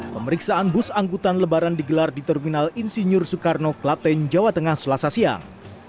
pemeriksaan bus angkutan lebaran digelar di terminal insinyur soekarno klaten jawa tengah selasa siang